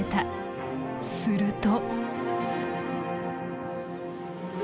すると。